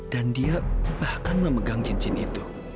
dan dia bahkan memegang cincin itu